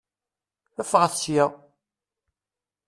Ffɣet sya!